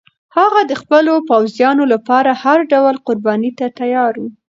هغه د خپلو پوځیانو لپاره هر ډول قربانۍ ته تیار و.